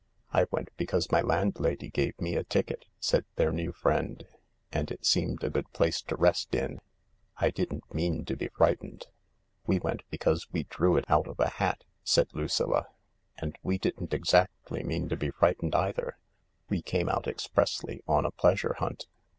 " I went because my landlady gave me a ticket," said their new friend, " and it seemed a good place to rest in. I didn't mean to be frightened." " We went because we drew it out of a hat," said Lucilla ; "and we didn't exactly mean to be frightened either — we came out expressly on a pleasure hunt."